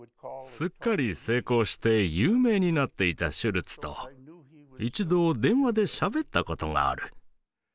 すっかり成功して有名になっていたシュルツと一度電話でしゃべったことがある。